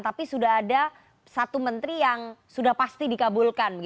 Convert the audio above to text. tapi sudah ada satu menteri yang sudah pasti dikabulkan